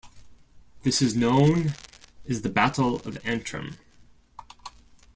This is known as the Battle of Antrim.